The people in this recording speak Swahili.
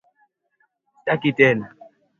Pia biashara ya viungo vya binadamu